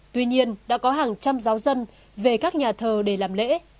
tuy nhiên đã có hàng trăm giáo dân về các nhà thờ để làm lễ